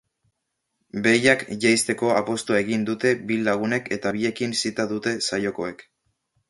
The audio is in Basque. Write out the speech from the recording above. Behiak jeizteko apostua egin dute bi lagunek eta biekin zita dute saiokoek.